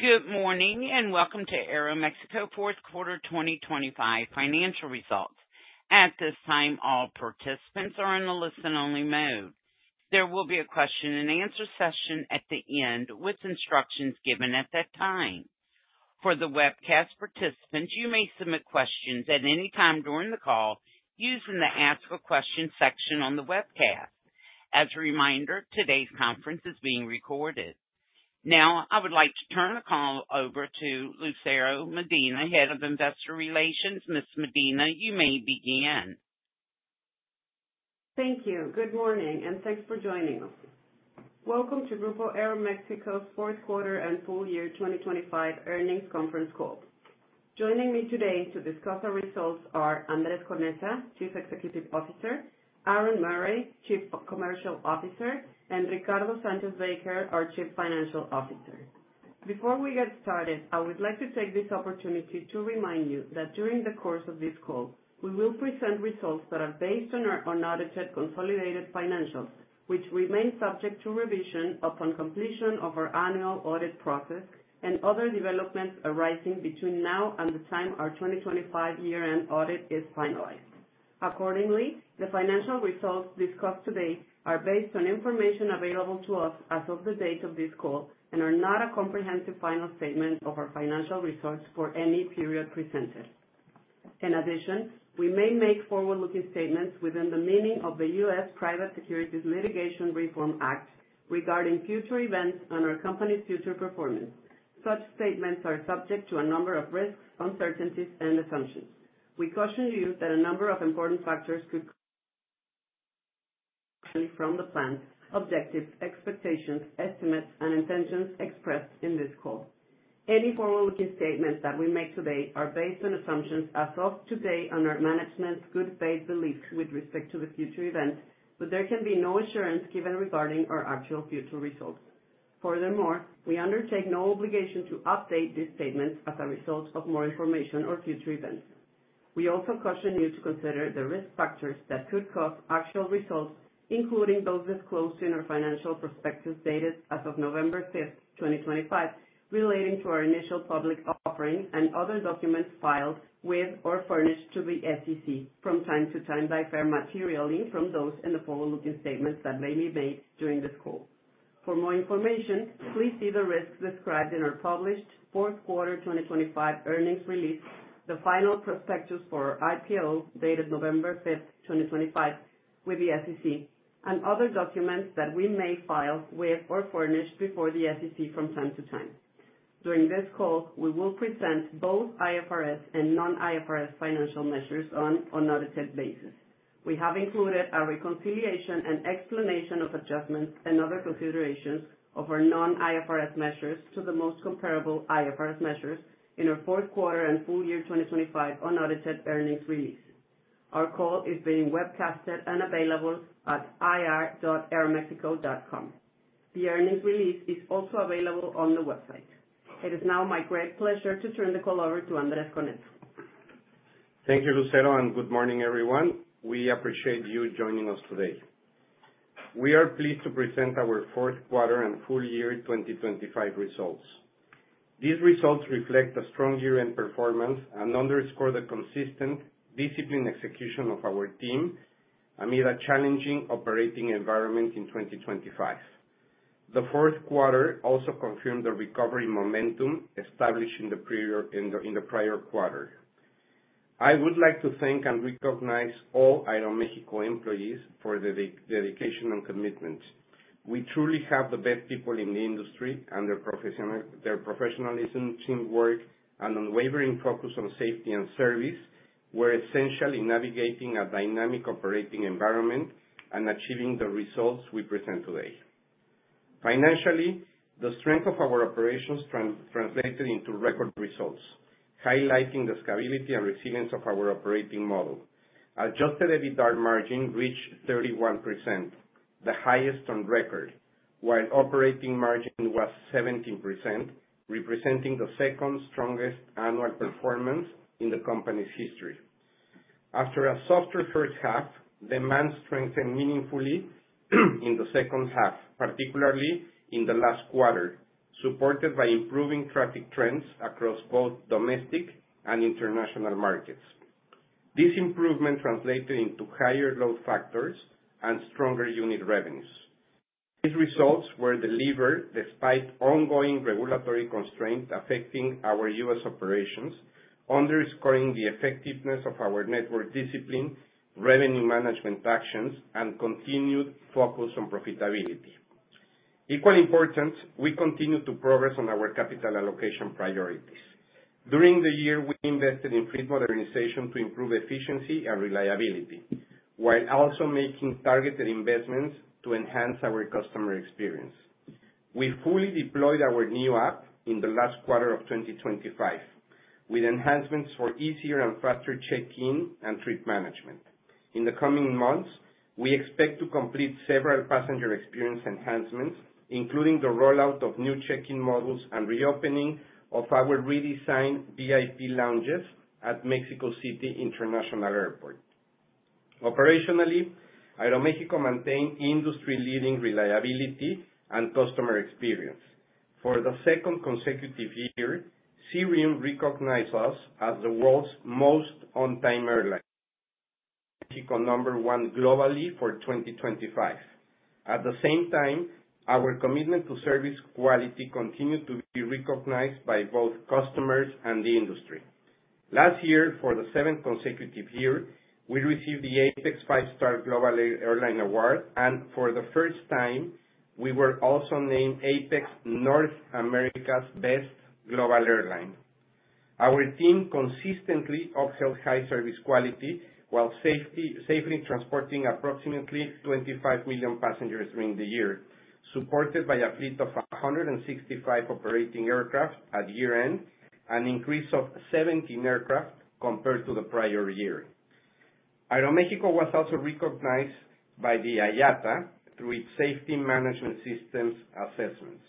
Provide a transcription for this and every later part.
Good morning, and welcome to Aeroméxico fourth quarter 2025 financial results. At this time, all participants are in a listen-only mode. There will be a question-and-answer session at the end, with instructions given at that time. For the webcast participants, you may submit questions at any time during the call using the Ask a Question section on the webcast. As a reminder, today's conference is being recorded. Now, I would like to turn the call over to Lucero Medina, Head of Investor Relations. Ms. Medina, you may begin. Thank you. Good morning, and thanks for joining us. Welcome to Grupo Aeroméxico's fourth quarter and full year 2025 earnings conference call. Joining me today to discuss our results are Andrés Conesa, Chief Executive Officer, Aaron Murray, Chief Commercial Officer, and Ricardo Sánchez Baker, our Chief Financial Officer. Before we get started, I would like to take this opportunity to remind you that during the course of this call, we will present results that are based on our unaudited consolidated financials, which remain subject to revision upon completion of our annual audit process and other developments arising between now and the time our 2025 year-end audit is finalized. Accordingly, the financial results discussed today are based on information available to us as of the date of this call and are not a comprehensive final statement of our financial results for any period presented. In addition, we may make forward-looking statements within the meaning of the U.S. Private Securities Litigation Reform Act regarding future events and our company's future performance. Such statements are subject to a number of risks, uncertainties, and assumptions. We caution you that a number of important factors could... From the plans, objectives, expectations, estimates, and intentions expressed in this call. Any forward-looking statements that we make today are based on assumptions as of today and our management's good faith beliefs with respect to the future events, but there can be no assurance given regarding our actual future results. Furthermore, we undertake no obligation to update these statements as a result of more information or future events. We also caution you to consider the risk factors that could cause actual results, including those disclosed in our financial prospectus, dated as of November 5, 2025, relating to our initial public offering and other documents filed with or furnished to the SEC from time to time, differ materially from those in the forward-looking statements that may be made during this call. For more information, please see the risks described in our published fourth quarter 2025 earnings release, the final prospectus for our IPO, dated November 5, 2025, with the SEC, and other documents that we may file with or furnish before the SEC from time to time. During this call, we will present both IFRS and non-IFRS financial measures on unaudited basis. We have included a reconciliation and explanation of adjustments and other considerations of our non-IFRS measures to the most comparable IFRS measures in our fourth quarter and full year 2025 unaudited earnings release. Our call is being webcasted and available at ir.aeromexico.com. The earnings release is also available on the website. It is now my great pleasure to turn the call over to Andrés Conesa. Thank you, Lucero, and good morning, everyone. We appreciate you joining us today. We are pleased to present our fourth quarter and full year 2025 results. These results reflect a strong year-end performance and underscore the consistent, disciplined execution of our team amid a challenging operating environment in 2025. The fourth quarter also confirmed the recovery momentum established in the prior quarter. I would like to thank and recognize all Aeroméxico employees for their dedication and commitment. We truly have the best people in the industry, and their professionalism, teamwork, and unwavering focus on safety and service were essential in navigating a dynamic operating environment and achieving the results we present today. Financially, the strength of our operations translated into record results, highlighting the scalability and resilience of our operating model. Adjusted EBITDA margin reached 31%, the highest on record, while operating margin was 17%, representing the second strongest annual performance in the company's history. After a softer first half, demand strengthened meaningfully, in the second half, particularly in the last quarter, supported by improving traffic trends across both domestic and international markets. This improvement translated into higher load factors and stronger unit revenues. These results were delivered despite ongoing regulatory constraints affecting our U.S. operations, underscoring the effectiveness of our network discipline, revenue management actions, and continued focus on profitability. Equally important, we continue to progress on our capital allocation priorities. During the year, we invested in fleet modernization to improve efficiency and reliability, while also making targeted investments to enhance our customer experience. We fully deployed our new app in the last quarter of 2025, with enhancements for easier and faster check-in and trip management. In the coming months, we expect to complete several passenger experience enhancements, including the rollout of new check-in models and reopening of our redesigned VIP lounges at Mexico City International Airport.... Operationally, Aeroméxico maintained industry leading reliability and customer experience. For the second consecutive year, Cirium recognized us as the world's most on-time airline, number one globally for 2025. At the same time, our commitment to service quality continued to be recognized by both customers and the industry. Last year, for the seventh consecutive year, we received the APEX Five-Star Global Airline Award, and for the first time, we were also named APEX North America's Best Global Airline. Our team consistently upheld high service quality, while safety, safely transporting approximately 25 million passengers during the year, supported by a fleet of 165 operating aircraft at year-end, an increase of 17 aircraft compared to the prior year. Aeroméxico was also recognized by the IATA through its Safety Management Systems assessments.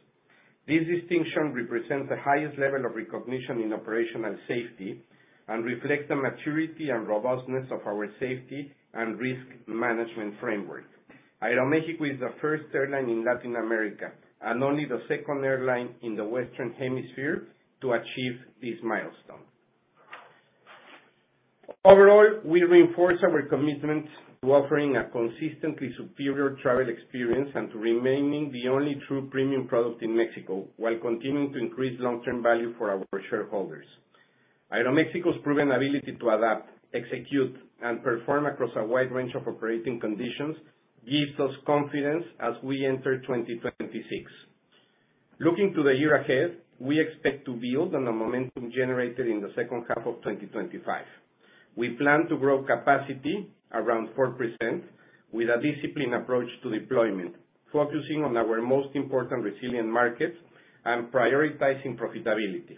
This distinction represents the highest level of recognition in operational safety and reflects the maturity and robustness of our safety and risk management framework. Aeroméxico is the first airline in Latin America, and only the second airline in the Western Hemisphere, to achieve this milestone. Overall, we reinforce our commitment to offering a consistently superior travel experience and to remaining the only true premium product in Mexico, while continuing to increase long-term value for our shareholders. Aeroméxico's proven ability to adapt, execute, and perform across a wide range of operating conditions gives us confidence as we enter 2026. Looking to the year ahead, we expect to build on the momentum generated in the second half of 2025. We plan to grow capacity around 4% with a disciplined approach to deployment, focusing on our most important resilient markets and prioritizing profitability.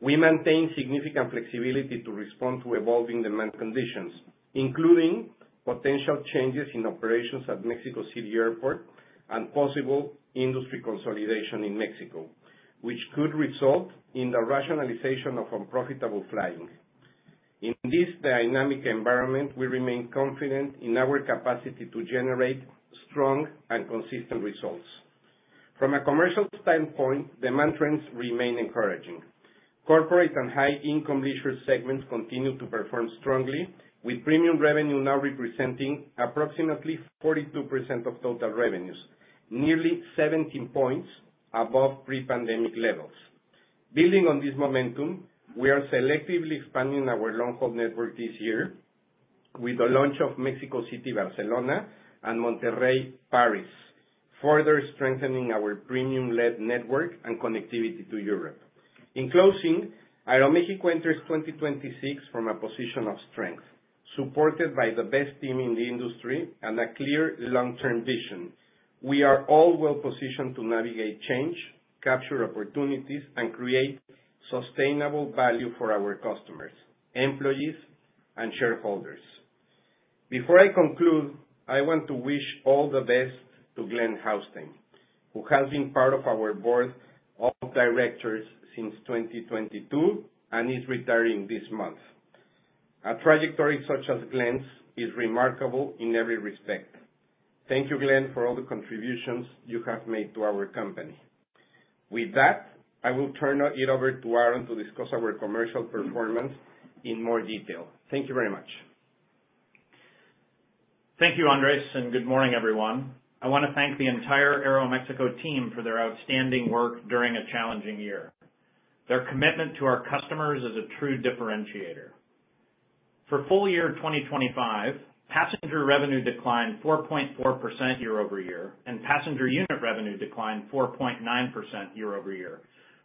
We maintain significant flexibility to respond to evolving demand conditions, including potential changes in operations at Mexico City Airport and possible industry consolidation in Mexico, which could result in the rationalization of unprofitable flying. In this dynamic environment, we remain confident in our capacity to generate strong and consistent results. From a commercial standpoint, demand trends remain encouraging. Corporate and high income leisure segments continue to perform strongly, with premium revenue now representing approximately 42% of total revenues, nearly 17 points above pre-pandemic levels. Building on this momentum, we are selectively expanding our long-haul network this year with the launch of Mexico City, Barcelona, and Monterrey, Paris, further strengthening our premium-led network and connectivity to Europe. In closing, Aeroméxico enters 2026 from a position of strength, supported by the best team in the industry and a clear long-term vision. We are all well positioned to navigate change, capture opportunities, and create sustainable value for our customers, employees, and shareholders. Before I conclude, I want to wish all the best to Glenn Hauenstein, who has been part of our board of directors since 2022 and is retiring this month. A trajectory such as Glenn's is remarkable in every respect. Thank you, Glenn, for all the contributions you have made to our company. With that, I will turn it over to Aaron to discuss our commercial performance in more detail. Thank you very much. Thank you, Andrés, and good morning, everyone. I want to thank the entire Aeroméxico team for their outstanding work during a challenging year. Their commitment to our customers is a true differentiator. For full year 2025, passenger revenue declined 4.4% year-over-year, and passenger unit revenue declined 4.9% year-over-year,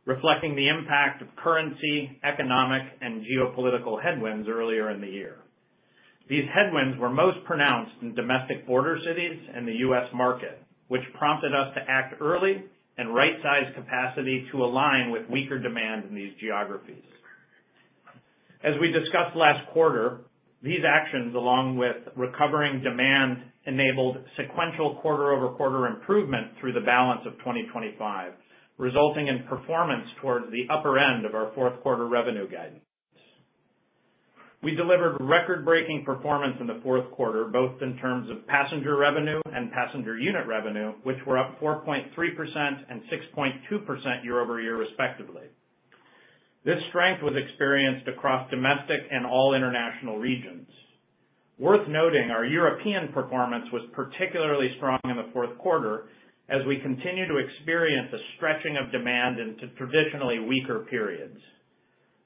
reflecting the impact of currency, economic, and geopolitical headwinds earlier in the year. These headwinds were most pronounced in domestic border cities and the U.S. market, which prompted us to act early and right-size capacity to align with weaker demand in these geographies. As we discussed last quarter, these actions, along with recovering demand, enabled sequential quarter-over-quarter improvement through the balance of 2025, resulting in performance towards the upper end of our fourth quarter revenue guidance. We delivered record-breaking performance in the fourth quarter, both in terms of passenger revenue and passenger unit revenue, which were up 4.3% and 6.2% year-over-year, respectively. This strength was experienced across domestic and all international regions. Worth noting, our European performance was particularly strong in the fourth quarter, as we continue to experience a stretching of demand into traditionally weaker periods.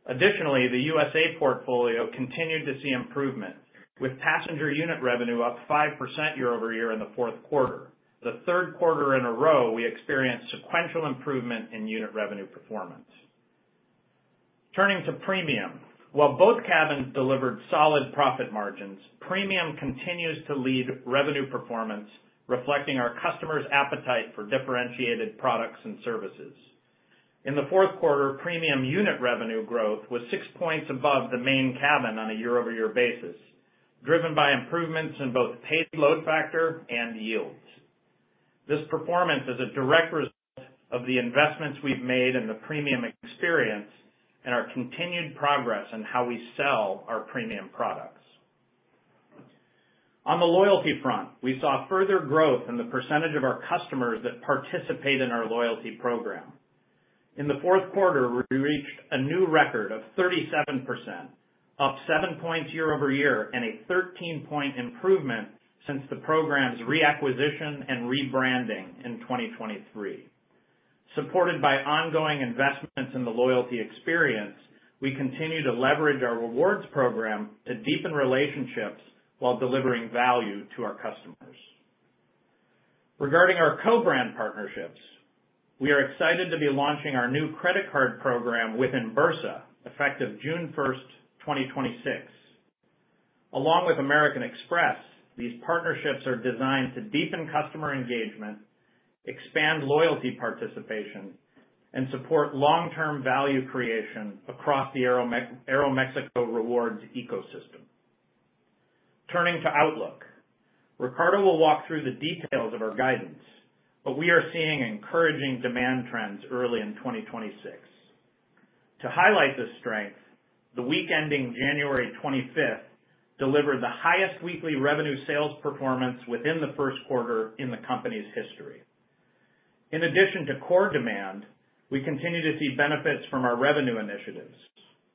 Additionally, the USA portfolio continued to see improvement, with passenger unit revenue up 5% year-over-year in the fourth quarter. The third quarter in a row, we experienced sequential improvement in unit revenue performance. Turning to premium. While both cabins delivered solid profit margins, premium continues to lead revenue performance, reflecting our customers' appetite for differentiated products and services. In the fourth quarter, premium unit revenue growth was 6 points above the main cabin on a year-over-year basis, driven by improvements in both paid load factor and yields. This performance is a direct result of the investments we've made in the premium experience and our continued progress in how we sell our premium products. On the loyalty front, we saw further growth in the percentage of our customers that participate in our loyalty program. In the fourth quarter, we reached a new record of 37%, up 7 points year-over-year, and a 13-point improvement since the program's reacquisition and rebranding in 2023. Supported by ongoing investments in the loyalty experience, we continue to leverage our rewards program to deepen relationships while delivering value to our customers. Regarding our co-brand partnerships, we are excited to be launching our new credit card program with Invex, effective June 1, 2026. Along with American Express, these partnerships are designed to deepen customer engagement, expand loyalty participation, and support long-term value creation across the Aeroméxico Rewards ecosystem. Turning to outlook, Ricardo will walk through the details of our guidance, but we are seeing encouraging demand trends early in 2026. To highlight this strength, the week ending January 25 delivered the highest weekly revenue sales performance within the first quarter in the company's history. In addition to core demand, we continue to see benefits from our revenue initiatives,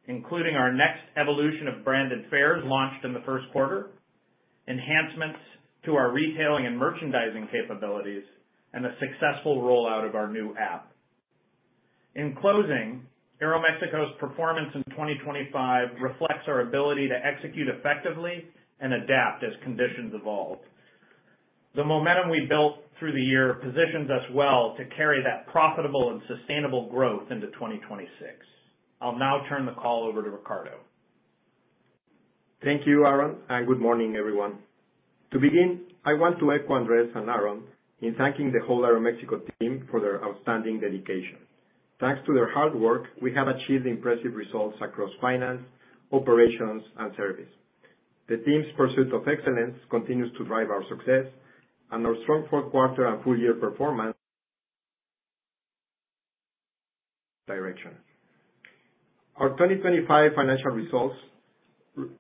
including our next evolution of branded fares launched in the first quarter, enhancements to our retailing and merchandising capabilities, and the successful rollout of our new app. In closing, Aeroméxico's performance in 2025 reflects our ability to execute effectively and adapt as conditions evolve. The momentum we built through the year positions us well to carry that profitable and sustainable growth into 2026. I'll now turn the call over to Ricardo. Thank you, Aaron, and good morning, everyone. To begin, I want to echo Andrés and Aaron in thanking the whole Aeroméxico team for their outstanding dedication. Thanks to their hard work, we have achieved impressive results across finance, operations, and service. The team's pursuit of excellence continues to drive our success, and our strong fourth quarter and full year performance direction. Our 2025 financial results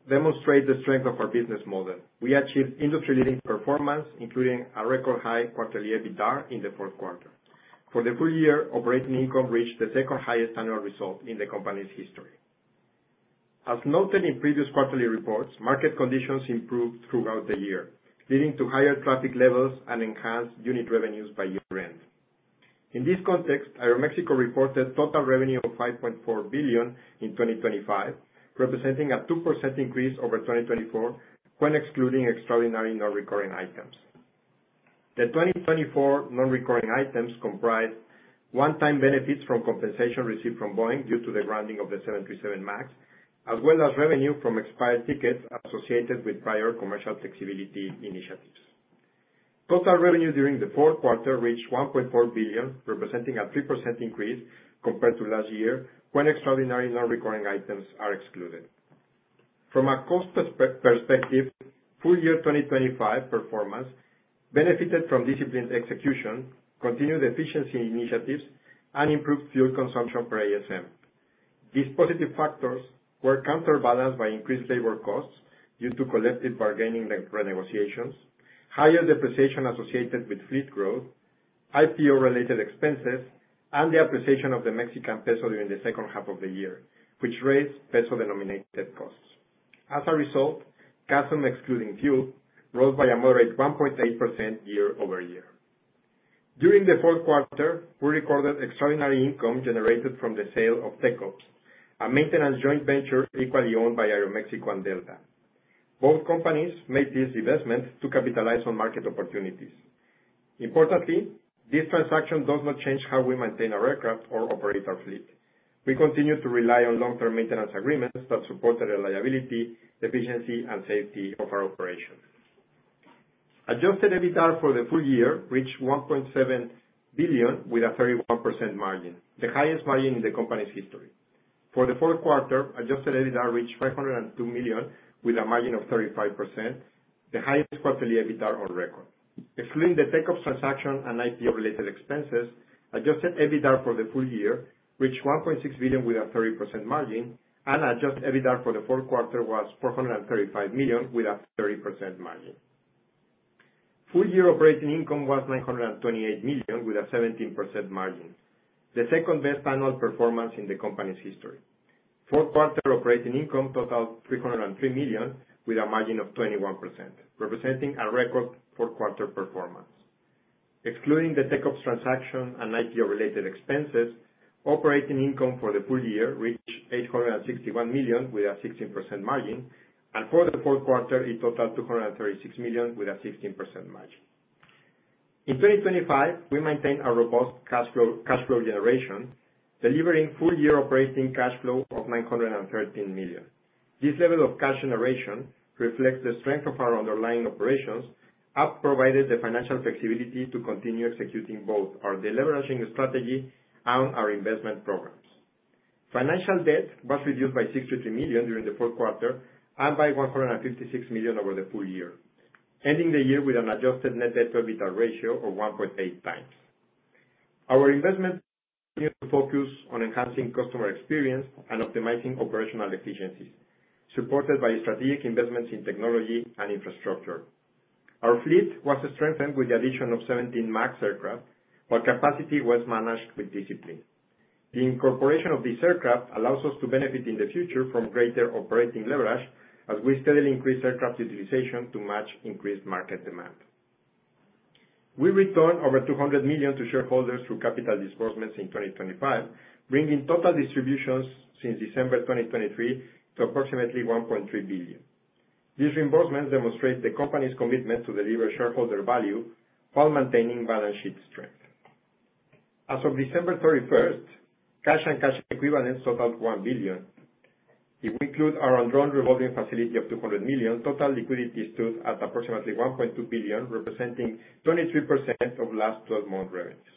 demonstrate the strength of our business model. We achieved industry-leading performance, including a record high quarterly EBITDA in the fourth quarter. For the full year, operating income reached the second highest annual result in the company's history. As noted in previous quarterly reports, market conditions improved throughout the year, leading to higher traffic levels and enhanced unit revenues by year-end. In this context, Aeroméxico reported total revenue of $5.4 billion in 2025, representing a 2% increase over 2024, when excluding extraordinary non-recurring items. The 2024 non-recurring items comprised one-time benefits from compensation received from Boeing due to the grounding of the 737 MAX, as well as revenue from expired tickets associated with prior commercial flexibility initiatives. Total revenue during the fourth quarter reached $1.4 billion, representing a 3% increase compared to last year, when extraordinary non-recurring items are excluded. From a cost perspective, full year 2025 performance benefited from disciplined execution, continued efficiency initiatives, and improved fuel consumption per ASM. These positive factors were counterbalanced by increased labor costs due to collective bargaining re-renegotiations, higher depreciation associated with fleet growth, IPO-related expenses, and the appreciation of the Mexican peso during the second half of the year, which raised peso-denominated costs. As a result, CASM, excluding fuel, rose by a moderate 1.8% year-over-year. During the fourth quarter, we recorded extraordinary income generated from the sale of TechOps, a maintenance joint venture equally owned by Aeroméxico and Delta. Both companies made this investment to capitalize on market opportunities. Importantly, this transaction does not change how we maintain our aircraft or operate our fleet. We continue to rely on long-term maintenance agreements that support the reliability, efficiency, and safety of our operations. Adjusted EBITDA for the full year reached $1.7 billion with a 31% margin, the highest margin in the company's history. For the fourth quarter, Adjusted EBITDA reached $502 million with a margin of 35%, the highest quarterly EBITDA on record. Excluding the TechOps transaction and IPO-related expenses, Adjusted EBITDA for the full year reached $1.6 billion with a 30% margin, and Adjusted EBITDA for the fourth quarter was $435 million with a 30% margin. Full year operating income was $928 million, with a 17% margin, the second-best annual performance in the company's history. Fourth quarter operating income totaled $303 million, with a margin of 21%, representing a record fourth quarter performance. Excluding the TechOps transaction and IPO-related expenses, operating income for the full year reached $861 million, with a 16% margin, and for the fourth quarter, it totaled $236 million with a 16% margin. In 2025, we maintained a robust cash flow, cash flow generation, delivering full-year operating cash flow of $913 million. This level of cash generation reflects the strength of our underlying operations, and provided the financial flexibility to continue executing both our deleveraging strategy and our investment programs. Financial debt was reduced by $63 million during the fourth quarter and by $156 million over the full year, ending the year with an adjusted net debt to EBITDA ratio of 1.8 times. Our investment continued to focus on enhancing customer experience and optimizing operational efficiencies, supported by strategic investments in technology and infrastructure. Our fleet was strengthened with the addition of 17 MAX aircraft, while capacity was managed with discipline. The incorporation of this aircraft allows us to benefit in the future from greater operating leverage as we steadily increase aircraft utilization to match increased market demand. We returned over $200 million to shareholders through capital disbursements in 2025, bringing total distributions since December 2023 to approximately $1.3 billion. These reimbursements demonstrate the company's commitment to deliver shareholder value while maintaining balance sheet strength. As of December 31, cash and cash equivalents totaled $1 billion. If we include our undrawn revolving facility of $200 million, total liquidity stood at approximately $1.2 billion, representing 23% of last 12-month revenues.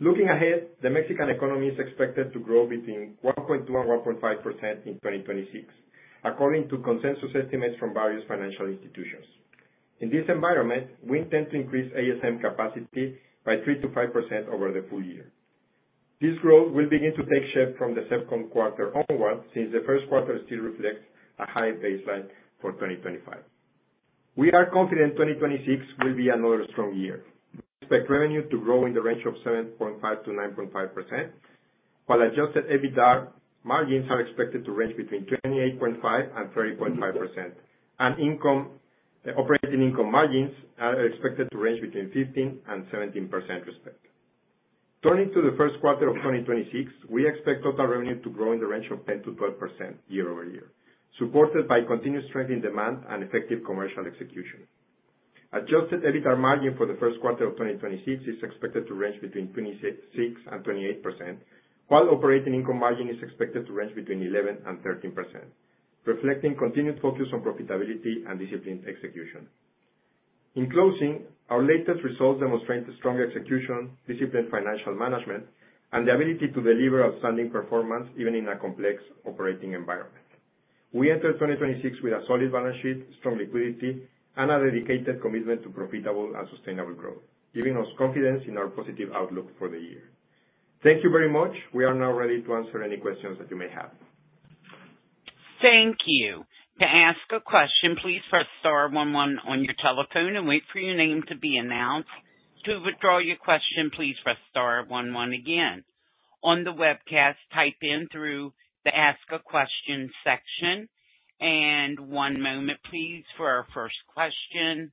Looking ahead, the Mexican economy is expected to grow between 1.2% and 1.5% in 2026, according to consensus estimates from various financial institutions. In this environment, we intend to increase ASM capacity by 3%-5% over the full year. This growth will begin to take shape from the second quarter onward, since the first quarter still reflects a high baseline for 2025. We are confident 2026 will be another strong year. We expect revenue to grow in the range of 7.5%-9.5%, while Adjusted EBITDA margins are expected to range between 28.5% and 30.5%, and income, operating income margins are expected to range between 15% and 17%, respectively. Turning to the first quarter of 2026, we expect total revenue to grow in the range of 10%-12% year-over-year, supported by continued strength in demand and effective commercial execution. Adjusted EBITDA margin for the first quarter of 2026 is expected to range between 26%-28%, while operating income margin is expected to range between 11%-13%, reflecting continued focus on profitability and disciplined execution. In closing, our latest results demonstrate strong execution, disciplined financial management, and the ability to deliver outstanding performance, even in a complex operating environment. We enter 2026 with a solid balance sheet, strong liquidity, and a dedicated commitment to profitable and sustainable growth, giving us confidence in our positive outlook for the year. Thank you very much. We are now ready to answer any questions that you may have. Thank you. To ask a question, please press star one one on your telephone and wait for your name to be announced. To withdraw your question, please press star one one again. On the webcast, type in through the Ask a Question section. One moment please, for our first question.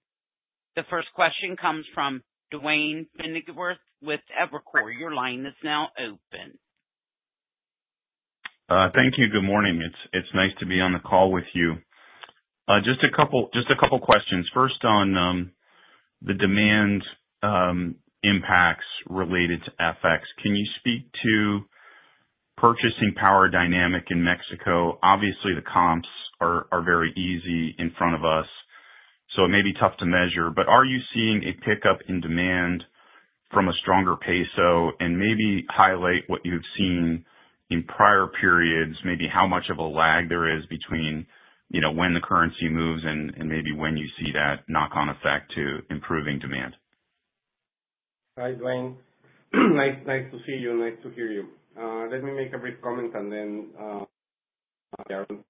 The first question comes from Duane Pfennigwerth with Evercore. Your line is now open. Thank you. Good morning. It's nice to be on the call with you. Just a couple questions. First, on the demand impacts related to FX. Can you speak to purchasing power dynamic in Mexico? Obviously, the comps are very easy in front of us, so it may be tough to measure. But are you seeing a pickup in demand from a stronger peso? And maybe highlight what you've seen in prior periods, maybe how much of a lag there is between, you know, when the currency moves and maybe when you see that knock-on effect to improving demand? Hi, Duane. Nice, nice to see you, nice to hear you. Let me make a brief comment, and then, Aaron.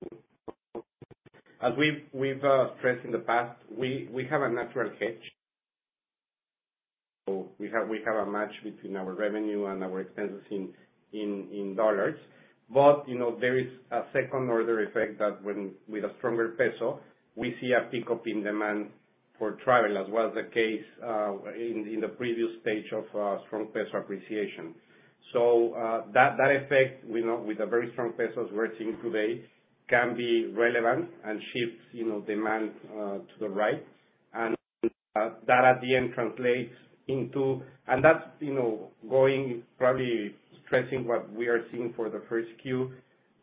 As we've stressed in the past, we have a natural hedge. So we have a match between our revenue and our expenses in U.S. dollars. But, you know, there is a second order effect that when with a stronger Mexican peso, we see a pickup in demand for travel, as was the case in the previous stage of strong peso appreciation. So, that effect, you know, with the very strong pesos we're seeing today, can be relevant and shifts, you know, demand to the right. And, that at the end translates into... And that's, you know, going probably stressing what we are seeing for the first Q.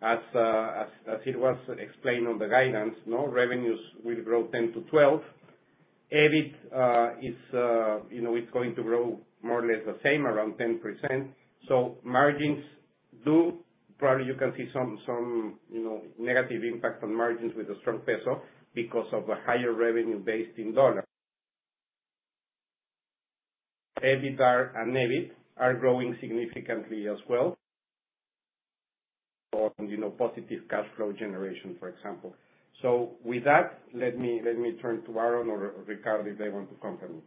As it was explained on the guidance, no revenues will grow 10-12%. EBIT, you know, it's going to grow more or less the same, around 10%. So margins probably you can see some, some, you know, negative impact on margins with a strong peso because of the higher revenue base in dollars. EBITDA and EBIT are growing significantly as well, on, you know, positive cash flow generation, for example. So with that, let me turn to Aaron or Ricardo if they want to comment.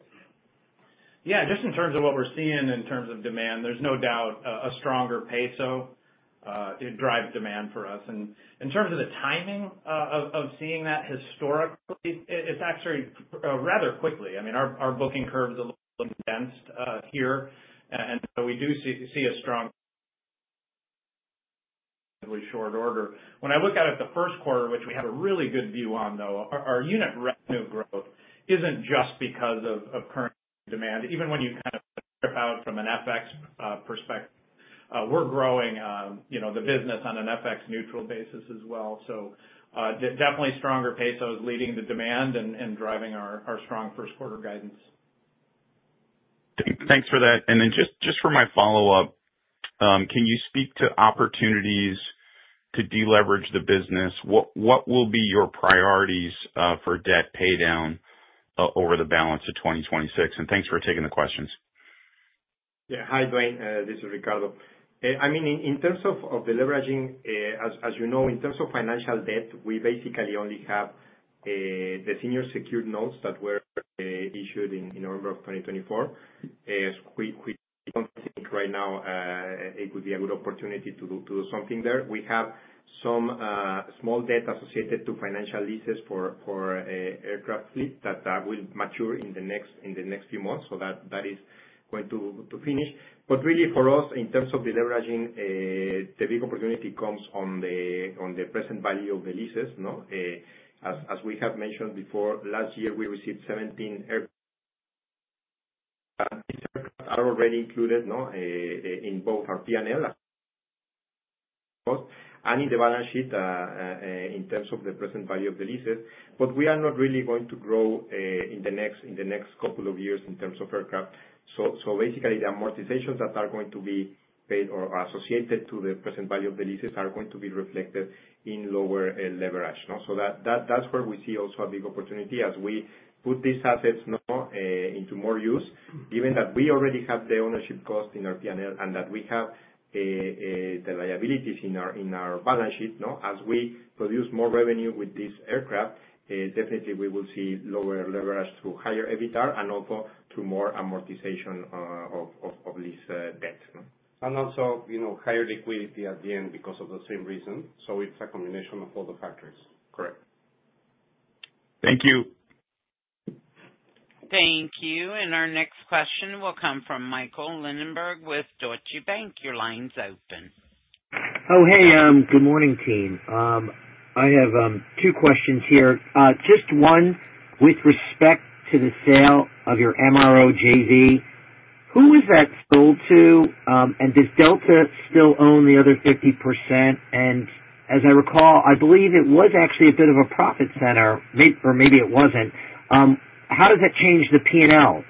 Yeah, just in terms of what we're seeing in terms of demand, there's no doubt a stronger peso, it drives demand for us. And in terms of the timing of seeing that historically, it's actually rather quickly. I mean, our booking curves look dense here, and so we do see a strong short order. When I look out at the first quarter, which we have a really good view on, though, our unit revenue growth isn't just because of current demand. Even when you kind of strip out from an FX perspective, we're growing, you know, the business on an FX neutral basis as well. So, definitely stronger peso is leading the demand and driving our strong first quarter guidance.... Thanks for that. And then just, just for my follow-up, can you speak to opportunities to deleverage the business? What will be your priorities for debt paydown over the balance of 2026? And thanks for taking the questions. Yeah. Hi, Duane. This is Ricardo. I mean, in terms of deleveraging, as you know, in terms of financial debt, we basically only have the senior secured notes that were issued in November 2024. As we don't think right now it would be a good opportunity to do something there. We have some small debt associated to financial leases for aircraft fleet that will mature in the next few months. So that is going to finish. But really for us, in terms of deleveraging, the big opportunity comes on the present value of the leases, no? As we have mentioned before, last year we received 17 aircraft that are already included in both our P&L and in the balance sheet in terms of the present value of the leases. But we are not really going to grow in the next couple of years in terms of aircraft. So basically, the amortizations that are going to be paid or associated to the present value of the leases are going to be reflected in lower leverage. So that's where we see also a big opportunity as we put these assets into more use, given that we already have the ownership cost in our P&L, and that we have the liabilities in our balance sheet. As we produce more revenue with this aircraft, definitely we will see lower leverage through higher EBITDA, and also through more amortization of lease debt. And also, you know, higher liquidity at the end because of the same reason. So it's a combination of all the factors. Correct. Thank you. Thank you. And our next question will come from Michael Linenberg with Deutsche Bank. Your line's open. Oh, hey, good morning, team. I have two questions here. Just one, with respect to the sale of your MRO JV, who was that sold to? And does Delta still own the other 50%? And as I recall, I believe it was actually a bit of a profit center, or maybe it wasn't. How does that change the P&L,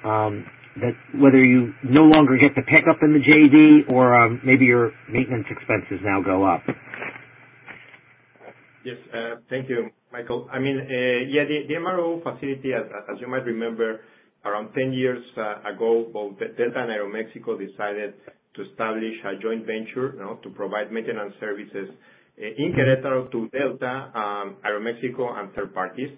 that whether you no longer get the pickup in the JV or maybe your maintenance expenses now go up? Yes, thank you, Michael. I mean, yeah, the MRO facility, as you might remember, around ten years ago, both Delta and Aeroméxico decided to establish a joint venture, you know, to provide maintenance services in Querétaro to Delta, Aeroméxico, and third parties.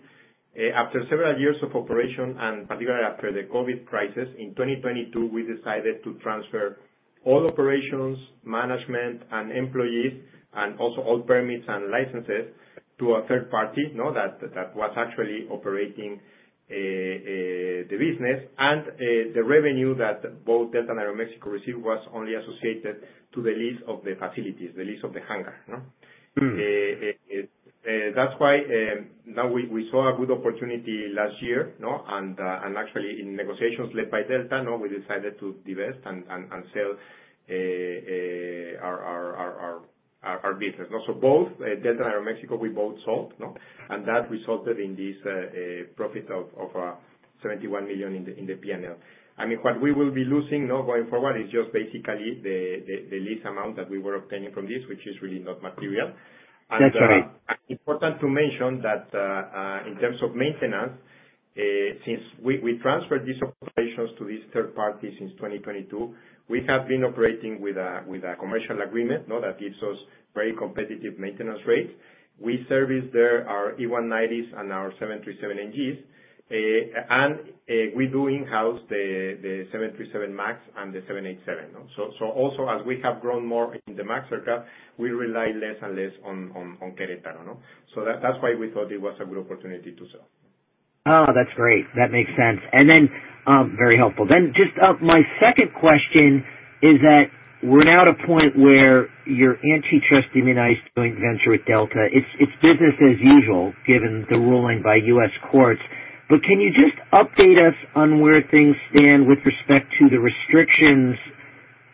After several years of operation, and particularly after the COVID crisis, in 2022, we decided to transfer all operations, management, and employees, and also all permits and licenses to a third party, no? That was actually operating the business. And the revenue that both Delta and Aeroméxico received was only associated to the lease of the facilities, the lease of the hangar, no? Mm. That's why now we saw a good opportunity last year, no? And actually in negotiations led by Delta, no, we decided to divest and sell our business. Also, both Delta and Aeroméxico, we both sold, no? And that resulted in this profit of $71 million in the P&L. I mean, what we will be losing, no, going forward is just basically the lease amount that we were obtaining from this, which is really not material. Yes. Sorry. Important to mention that in terms of maintenance, since we transferred these operations to these third parties since 2022, we have been operating with a commercial agreement that gives us very competitive maintenance rates. We service there our E190s and our 737 NGs. And we do in-house the 737 MAX and the 787. So also, as we have grown more in the MAX aircraft, we rely less and less on Querétaro, no? So that's why we thought it was a good opportunity to sell. Oh, that's great! That makes sense. And then, very helpful. Then just, my second question is that we're now at a point where your antitrust immunized joint venture with Delta, it's, it's business as usual, given the ruling by U.S. courts. But can you just update us on where things stand with respect to the restrictions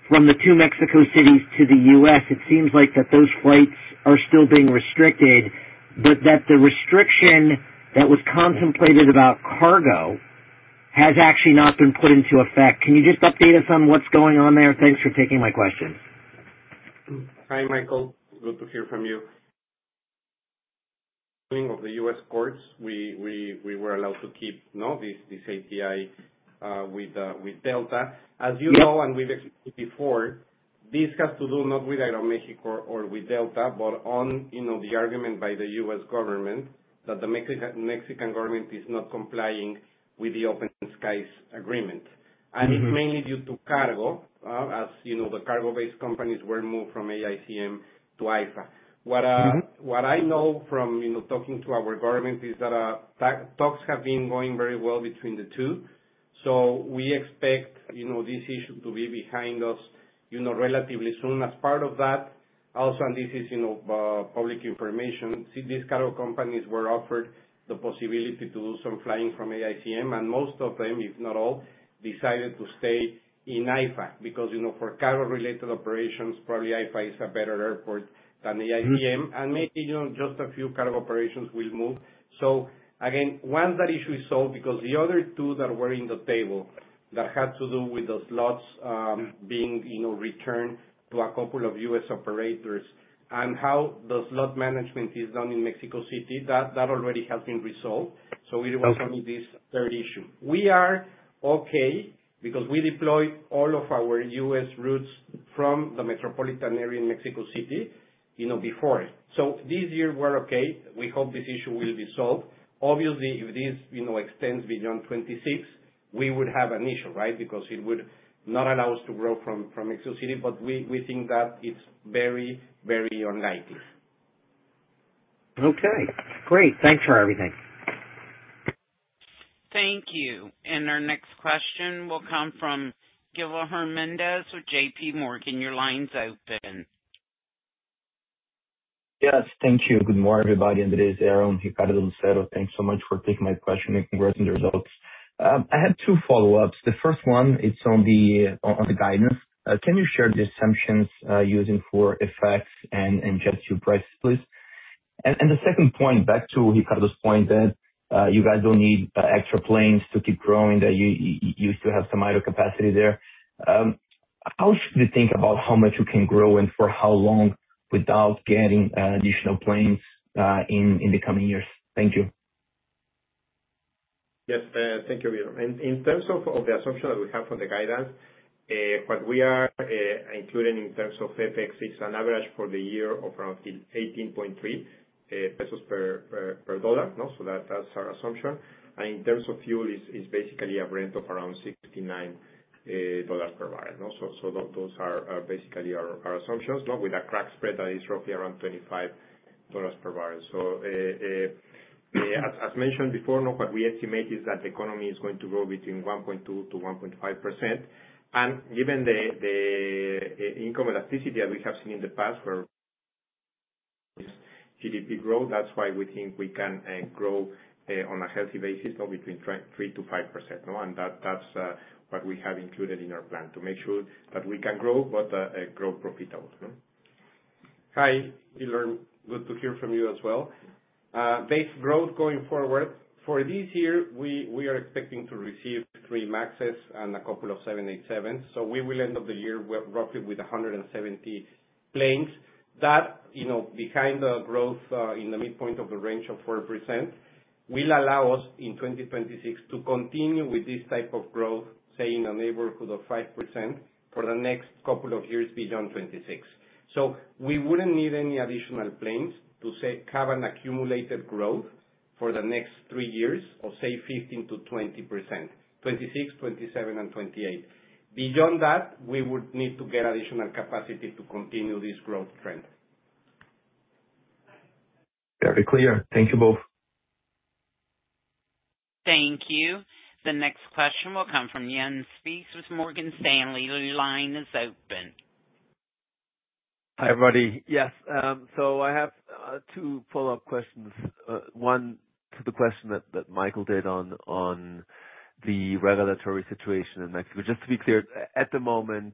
from the two Mexico cities to the U.S.? It seems like that those flights are still being restricted, but that the restriction that was contemplated about cargo has actually not been put into effect. Can you just update us on what's going on there? Thanks for taking my questions. Hi, Michael. Good to hear from you. ... Of the U.S. courts, we were allowed to keep, no, this ATI with Delta. Yeah. As you know, and we've explained before, this has to do not with Aeroméxico or with Delta, but on, you know, the argument by the U.S. government that the Mexican government is not complying with the Open Skies Agreement. Mm-hmm. It's mainly due to cargo. As you know, the cargo-based companies were moved from AICM to AIFA. Mm-hmm. What I know from, you know, talking to our government is that talks have been going very well between the two so we expect, you know, this issue to be behind us, you know, relatively soon. As part of that, also, and this is, you know, public information, see, these cargo companies were offered the possibility to do some flying from AICM, and most of them, if not all, decided to stay in AIFA. Because, you know, for cargo-related operations, probably AIFA is a better airport than AICM. And maybe, you know, just a few cargo operations will move. So again, once that issue is solved, because the other two that were in the table, that had to do with those slots, being, you know, returned to a couple of US operators, and how the slot management is done in Mexico City, that, that already has been resolved. So we were only this third issue. We are okay because we deployed all of our U.S. routes from the metropolitan area in Mexico City, you know, before it. So this year, we're okay. We hope this issue will be solved. Obviously, if this, you know, extends beyond 2026, we would have an issue, right? Because it would not allow us to grow from, from Mexico City, but we, we think that it's very, very unlikely. Okay, great. Thanks for everything. Thank you. Our next question will come from Guilherme Mendes with J.P. Morgan. Your line's open. Yes, thank you. Good morning, everybody. And it is Guilherme Mendes. Thanks so much for taking my question, and congrats on the results. I had two follow-ups. The first one, it's on the guidance. Can you share the assumptions using for effects and jet fuel prices, please? And the second point, back to Ricardo's point that you guys don't need extra planes to keep growing, that you still have some idle capacity there. How should we think about how much you can grow and for how long without getting additional planes in the coming years? Thank you. Yes, thank you, Guilherme. In terms of the assumption that we have for the guidance, what we are including in terms of FX is an average for the year of around 18.3 pesos per dollar. So that's our assumption. And in terms of fuel, is basically a rate of around $69 per barrel. So those are basically our assumptions. Now, with a crack spread that is roughly around $25 per barrel. So as mentioned before, what we estimate is that the economy is going to grow between 1.2%-1.5%. Given the income elasticity that we have seen in the past for GDP growth, that's why we think we can grow on a healthy basis of between 3%-5%, you know, and that's what we have included in our plan to make sure that we can grow, but grow profitable. Hi, Guilherme. Good to hear from you as well. Base growth going forward, for this year, we are expecting to receive 3 MAXes and a couple of 787s. So we will end up the year with roughly 170 planes. That, you know, behind the growth in the midpoint of the range of 4%, will allow us, in 2026, to continue with this type of growth, saying a neighborhood of 5% for the next couple of years beyond 2026. So we wouldn't need any additional planes to, say, have an accumulated growth for the next three years of, say, 15%-20%, 2026, 2027, and 2028. Beyond that, we would need to get additional capacity to continue this growth trend. Very clear. Thank you both. Thank you. The next question will come from Jens Spiess with Morgan Stanley. Your line is open. Hi, everybody. Yes, so I have two follow-up questions. One, to the question that Michael did on the regulatory situation in Mexico. Just to be clear, at the moment,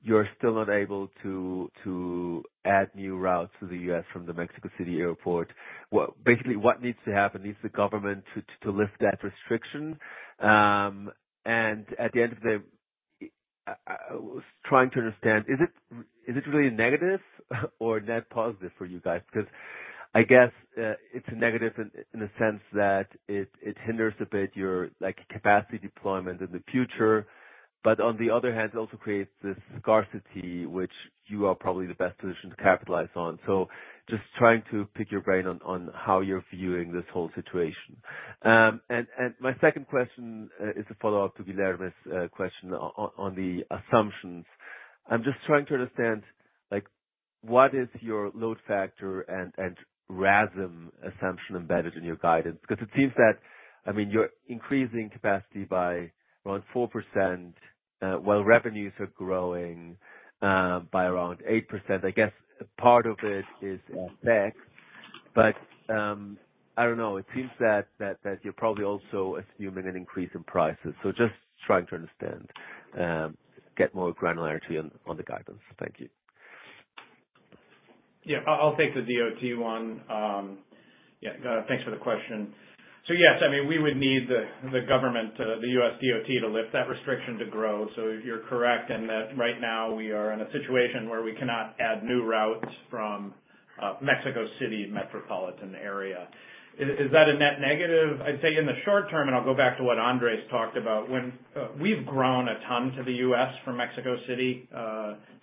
you're still not able to add new routes to the U.S. from the Mexico City airport. What... Basically, what needs to happen? Needs the government to lift that restriction? At the end of the day, I was trying to understand, is it really a negative or net positive for you guys? Because I guess, it's a negative in the sense that it hinders a bit your, like, capacity deployment in the future. But on the other hand, it also creates this scarcity, which you are probably the best positioned to capitalize on. So just trying to pick your brain on, on how you're viewing this whole situation. And my second question is a follow-up to Guilherme's question on, on the assumptions. I'm just trying to understand, like, what is your load factor and RASM assumption embedded in your guidance? Because it seems that, I mean, you're increasing capacity by around 4%, while revenues are growing by around 8%. I guess part of it is in FX, but I don't know. It seems that, that, that you're probably also assuming an increase in prices. So just trying to understand, get more granularity on, on the guidance. Thank you. Yeah, I'll take the DOT one. Yeah, thanks for the question. So yes, I mean, we would need the government, the U.S. DOT, to lift that restriction to grow. So you're correct in that right now we are in a situation where we cannot add new routes from Mexico City metropolitan area. Is that a net negative? I'd say in the short term, and I'll go back to what Andrés talked about, when we've grown a ton to the U.S. from Mexico City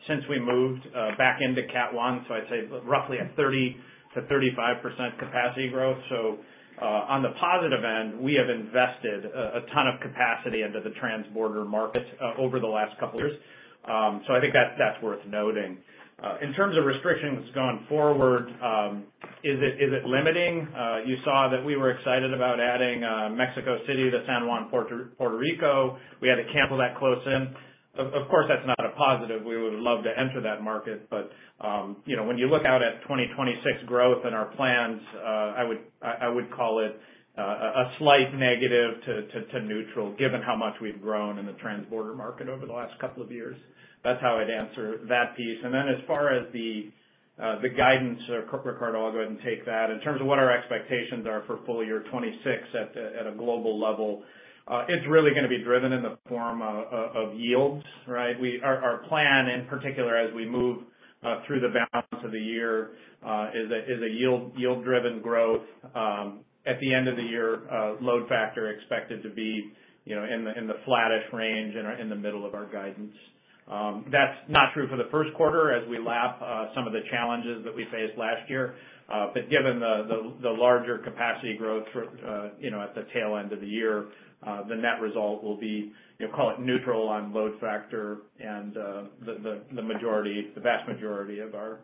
since we moved back into Cat One, so I'd say roughly 30%-35% capacity growth. So on the positive end, we have invested a ton of capacity into the transborder market over the last couple of years. So I think that's worth noting. In terms of restrictions going forward, is it, is it limiting? You saw that we were excited about adding Mexico City to San Juan, Puerto, Puerto Rico. We had to cancel that close in. Of course, that's not a positive. We would love to enter that market, but, you know, when you look out at 2026 growth in our plans, I would, I, I would call it, a, a slight negative to, to, to neutral, given how much we've grown in the transborder market over the last couple of years. That's how I'd answer that piece. And then as far as the, the guidance, Ricardo, I'll go ahead and take that. In terms of what our expectations are for full year 2026 at a global level, it's really gonna be driven in the form of yields, right? Our plan, in particular, as we move through the balance of the year, is a yield-driven growth. At the end of the year, load factor expected to be, you know, in the flattish range, in the middle of our guidance. That's not true for the first quarter as we lap some of the challenges that we faced last year. But given the larger capacity growth for, you know, at the tail end of the year, the net result will be, you know, call it neutral on load factor and the majority, the vast majority of our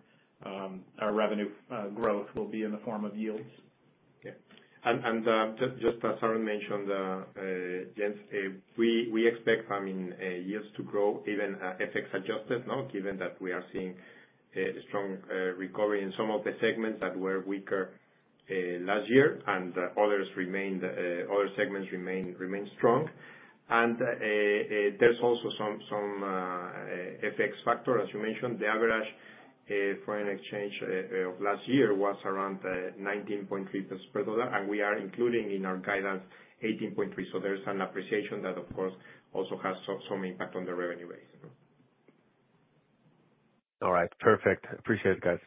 revenue growth will be in the form of yields. Okay. Just as Aaron mentioned, Jens, we expect, I mean, yields to grow even, FX adjusted, no? Given that we are seeing a strong recovery in some of the segments that were weaker last year, and other segments remain strong. And there's also some FX factor, as you mentioned. The average foreign exchange of last year was around 19.3 pesos per dollar, and we are including in our guidance 18.3. So there's an appreciation that, of course, also has some impact on the revenue base. All right. Perfect. Appreciate it, guys.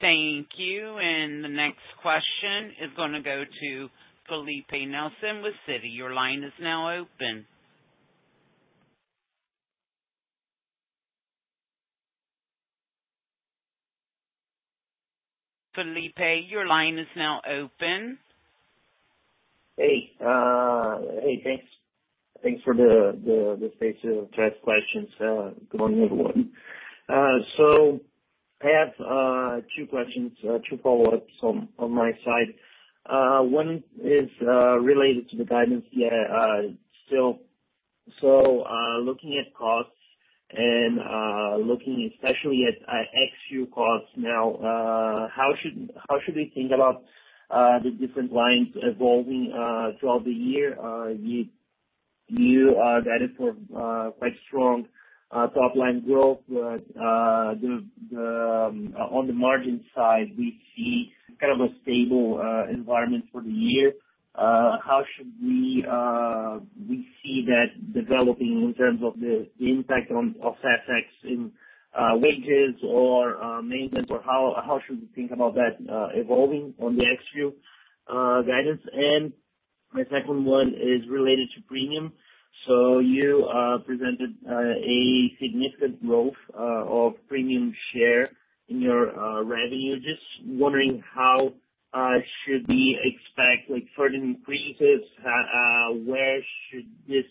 Thank you. And the next question is gonna go to Felipe Neves with Citi. Your line is now open. Felipe, your line is now open. Hey, thanks. Thanks for the space to ask questions going forward. So I have two questions, two follow-ups on my side. One is related to the guidance, yeah, still. So, looking at costs and looking especially at CASK costs now, how should we think about the different lines evolving throughout the year? You guided for quite strong top-line growth, but on the margin side, we see kind of a stable environment for the year. How should we see that developing in terms of the impact of that FX on wages or maintenance, or how should we think about that evolving on the CASK guidance? My second one is related to premium. So you presented a significant growth of premium share in your revenue. Just wondering how should we expect, like, further increases? Where should this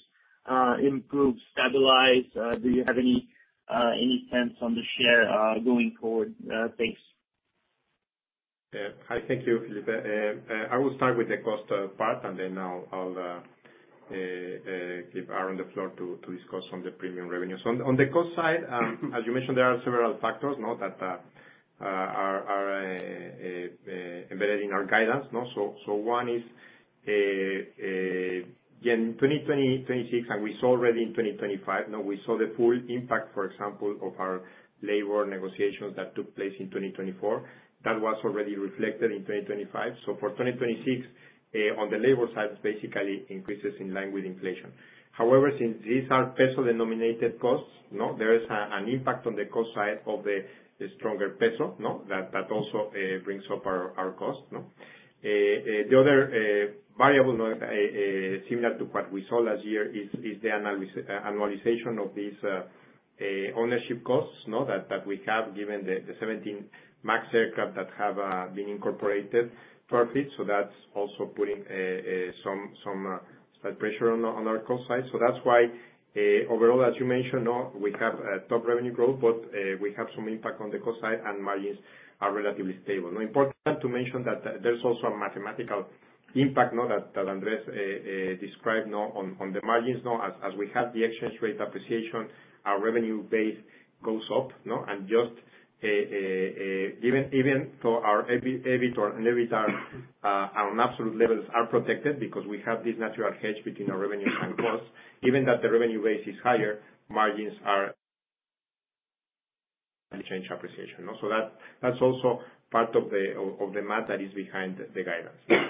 improve, stabilize? Do you have any sense on the share going forward? Thanks. Hi. Thank you, Felipe. I will start with the cost part, and then I'll give Aaron the floor to discuss on the premium revenue. So on the cost side, as you mentioned, there are several factors, no, that are embedded in our guidance, no? So one is in 2026, and we saw already in 2025, no, we saw the full impact, for example, of our labor negotiations that took place in 2024. That was already reflected in 2025. So for 2026, on the labor side, basically increases in line with inflation. However, since these are peso-denominated costs, no, there is an impact on the cost side of the stronger peso, no, that also brings up our cost, no? The other variable similar to what we saw last year is the annualization of these ownership costs. You know that we have given the 17 MAX aircraft that have been incorporated for it. So that's also putting some slight pressure on our cost side. So that's why overall, as you mentioned, no, we have top revenue growth, but we have some impact on the cost side, and margins are relatively stable. Now, important to mention that there's also a mathematical impact, no, that Andrés described, no, on the margins, no. As we have the exchange rate appreciation, our revenue base goes up, no? And just even though our EBIT, EBITDA, our absolute levels are protected because we have this natural hedge between our revenue and costs, even that the revenue base is higher, margins are... And change appreciation also. That's also part of the math that is behind the guidance....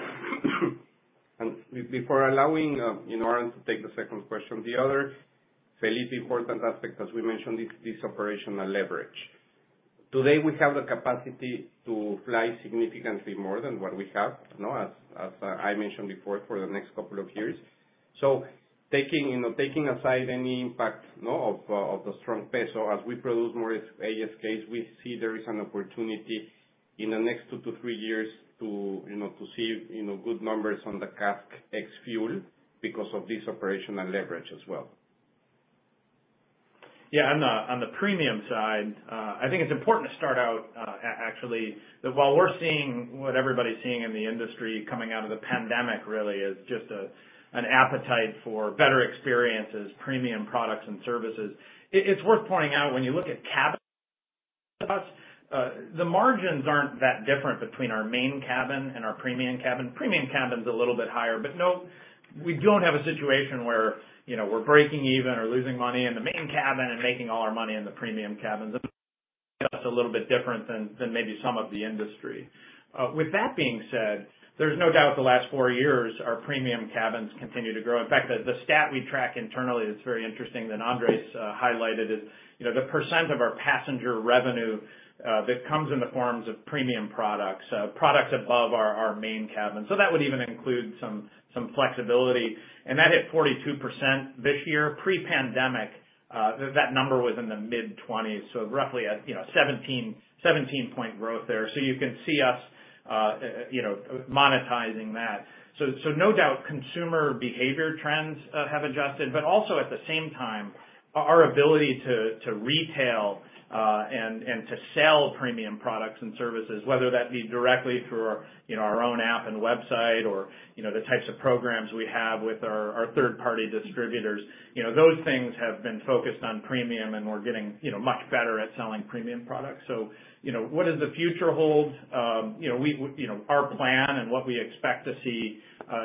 Before allowing, you know, Aaron to take the second question, the other fairly important aspect, as we mentioned, is this operational leverage. Today, we have the capacity to fly significantly more than what we have, you know, as I mentioned before, for the next couple of years. So taking, you know, taking aside any impact, you know, of the strong peso, as we produce more ASKs, we see there is an opportunity in the next two to three years to, you know, to see, you know, good numbers on the CASK ex fuel because of this operational leverage as well. Yeah, on the, on the premium side, I think it's important to start out, actually, that while we're seeing what everybody's seeing in the industry coming out of the pandemic really is just, an appetite for better experiences, premium products and services. It's worth pointing out, when you look at cabin, the margins aren't that different between our main cabin and our premium cabin. Premium cabin is a little bit higher, but no, we don't have a situation where, you know, we're breaking even or losing money in the main cabin and making all our money in the premium cabins. That's a little bit different than maybe some of the industry. With that being said, there's no doubt the last four years, our premium cabins continue to grow. In fact, the stat we track internally is very interesting, that Andrés highlighted is, you know, the percent of our passenger revenue that comes in the forms of premium products, products above our main cabin. So that would even include some flexibility, and that hit 42% this year. Pre-pandemic, that number was in the mid-twenties, so roughly at, you know, 17-point growth there. So you can see us, you know, monetizing that. So no doubt, consumer behavior trends have adjusted, but also at the same time, our ability to retail and to sell premium products and services, whether that be directly through, you know, our own app and website or, you know, the types of programs we have with our third-party distributors. You know, those things have been focused on premium, and we're getting, you know, much better at selling premium products. So, you know, what does the future hold? You know, we you know, our plan and what we expect to see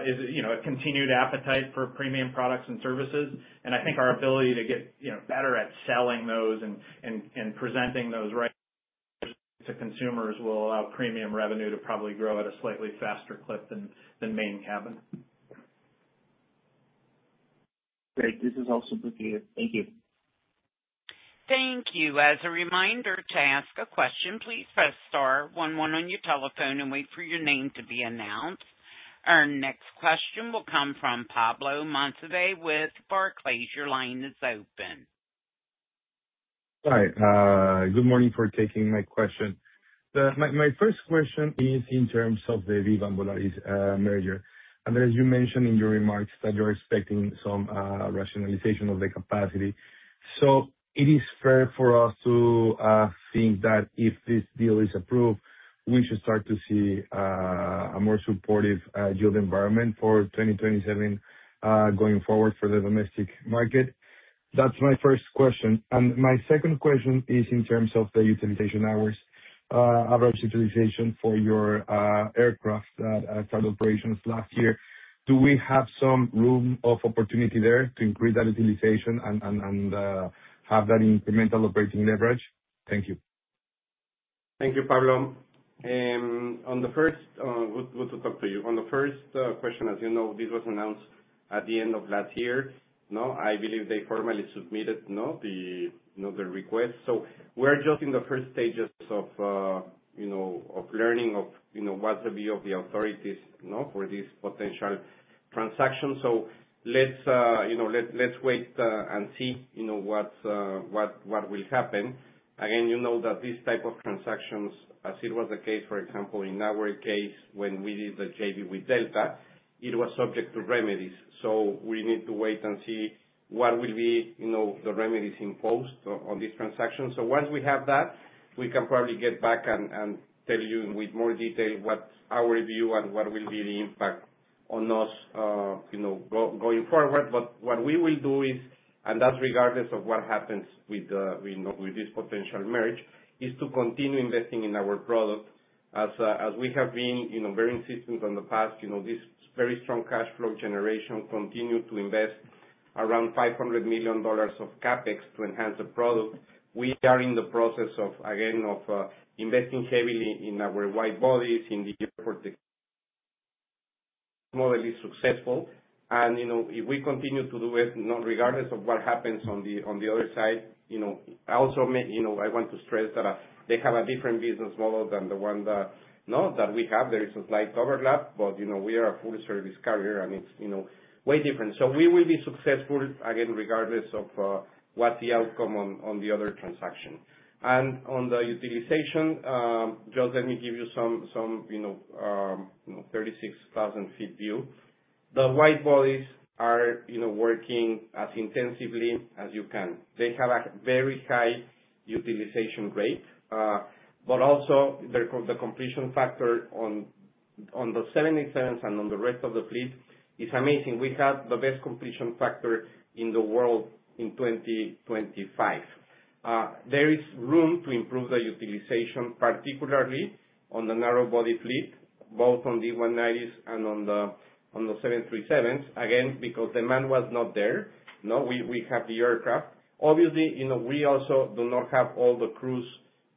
is, you know, a continued appetite for premium products and services. And I think our ability to get, you know, better at selling those and presenting those right to consumers will allow premium revenue to probably grow at a slightly faster clip than main cabin. Great. This is all submitted. Thank you. Thank you. As a reminder to ask a question, please press star one one on your telephone and wait for your name to be announced. Our next question will come from Pablo Monsivais with Barclays. Your line is open. Hi. Good morning for taking my question. My first question is in terms of the Viva Aerobus merger. And as you mentioned in your remarks, that you're expecting some rationalization of the capacity. So it is fair for us to think that if this deal is approved, we should start to see a more supportive yield environment for 2027 going forward for the domestic market? That's my first question. And my second question is in terms of the utilization hours, average utilization for your aircraft TechOps last year. Do we have some room of opportunity there to increase that utilization and have that incremental operating leverage? Thank you. Thank you, Pablo. Good, good to talk to you. On the first question, as you know, this was announced at the end of last year. Now, I believe they formally submitted, you know, the, you know, the request. So we're just in the first stages of, you know, of learning of, you know, what's the view of the authorities, you know, for this potential transaction. So let's, you know, let's, let's wait, and see, you know, what, what, what will happen. Again, you know that these type of transactions, as it was the case, for example, in our case, when we did the JV with Delta, it was subject to remedies. So we need to wait and see what will be, you know, the remedies imposed on, on this transaction. So once we have that, we can probably get back and tell you with more detail what's our view and what will be the impact on us, you know, going forward. But what we will do is, and that's regardless of what happens with, you know, with this potential marriage, is to continue investing in our product as, as we have been, you know, very consistent in the past. You know, this very strong cash flow generation continue to invest around $500 million of CapEx to enhance the product. We are in the process of, again, of, investing heavily in our wide bodies, in the airport, moderately successful. You know, if we continue to do it, you know, regardless of what happens on the, on the other side, you know, I also you know, I want to stress that, they have a different business model than the one that, you know, that we have. There is a slight overlap, but, you know, we are a full service carrier, and it's, you know, way different. So we will be successful again, regardless of, what the outcome on, on the other transaction. And on the utilization, just let me give you some, some, you know, you know, 36,000 feet view. The wide bodies are, you know, working as intensively as you can. They have a very high utilization rate, but also the completion factor on, on the 787s and on the rest of the fleet is amazing. We have the best completion factor in the world in 2025. There is room to improve the utilization, particularly on the narrow body fleet, both on the 190s and on the 737s. Again, because demand was not there, you know, we have the aircraft. Obviously, you know, we also do not have all the crews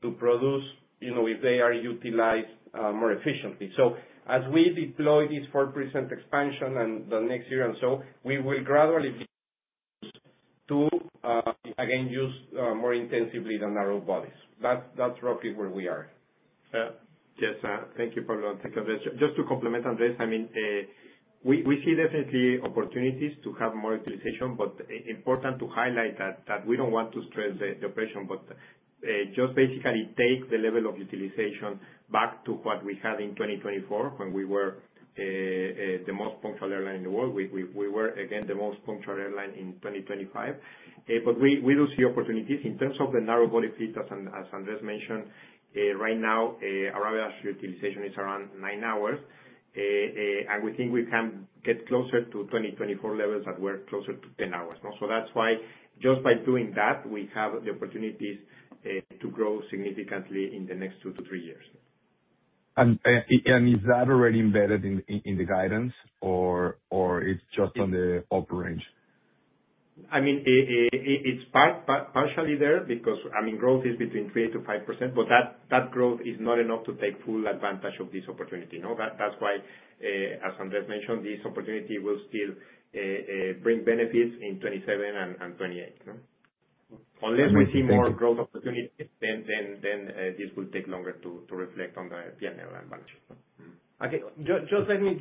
to produce, you know, if they are utilized more efficiently. So as we deploy this 4% expansion in the next year and so, we will gradually to again use more intensively the narrow bodies. That's roughly where we are. Yes, thank you, Pablo. Just to complement Andrés, I mean, we see definitely opportunities to have more utilization, but important to highlight that we don't want to stress the operation, but just basically take the level of utilization back to what we had in 2024 when we were the most punctual airline in the world. We were again the most punctual airline in 2025. But we do see opportunities in terms of the narrow-body fleet, as Andrés mentioned, right now our average utilization is around 9 hours. And we think we can get closer to 2024 levels that were closer to 10 hours, no? So that's why just by doing that, we have the opportunities to grow significantly in the next 2-3 years. Is that already embedded in the guidance, or it's just on the upper range? I mean, it's partially there, because, I mean, growth is between 3%-5%, but that growth is not enough to take full advantage of this opportunity, no? That's why, as Andrés mentioned, this opportunity will still bring benefits in 2027 and 2028, no? All right. Thank you. Unless we see more growth opportunities, this will take longer to reflect on the P&L and balance sheet. Okay. Just let me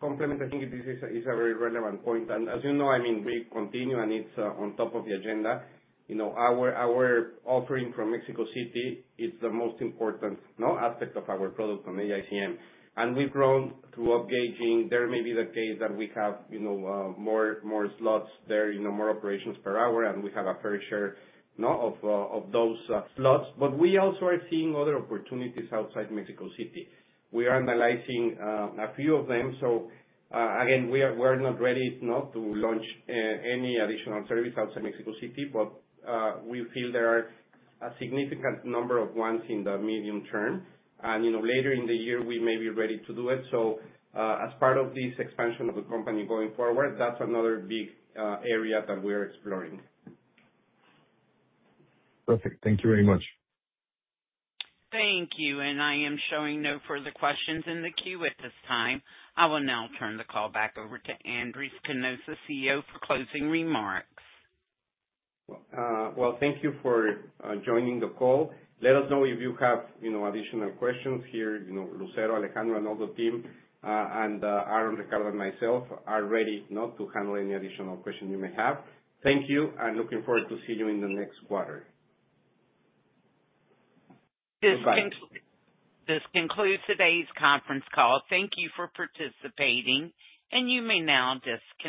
complement. I think this is a very relevant point, and as you know, I mean, we continue, and it's on top of the agenda. You know, our offering from Mexico City is the most important aspect of our product on AICM, and we've grown through upgauging. There may be the case that we have, you know, more slots there, you know, more operations per hour, and we have a fair share of those slots. But we also are seeing other opportunities outside Mexico City. We are analyzing a few of them. So, again, we're not ready not to launch any additional service outside Mexico City, but we feel there are a significant number of ones in the medium term, and, you know, later in the year, we may be ready to do it. So, as part of this expansion of the company going forward, that's another big area that we're exploring. Perfect. Thank you very much. Thank you, and I am showing no further questions in the queue at this time. I will now turn the call back over to Andrés Conesa, CEO, for closing remarks. Well, thank you for joining the call. Let us know if you have, you know, additional questions here. You know, Lucero, Alejandro, and all the team, and Aaron, Ricardo, and myself are ready now to handle any additional questions you may have. Thank you, and looking forward to see you in the next quarter. Bye-bye. This concludes today's conference call. Thank you for participating, and you may now disconnect.